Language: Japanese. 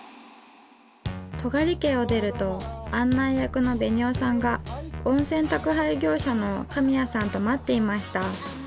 尖家を出ると案内役の紅緒さんが温泉宅配業者の神谷さんと待っていました。